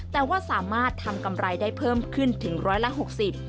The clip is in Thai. แต่ว่าสามารถทำกำไรได้เพิ่มขึ้นถึงร้อยละหกสิบ